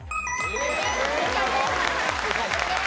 正解です。